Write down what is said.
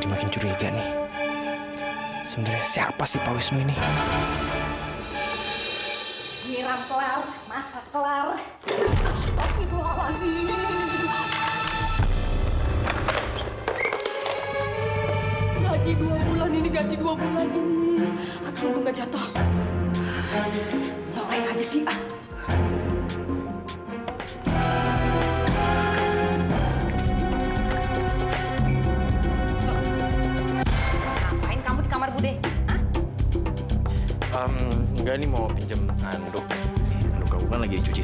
sampai jumpa di video selanjutnya